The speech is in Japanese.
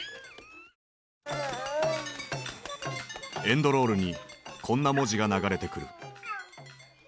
エンドロールにこんな文字が流れてくる。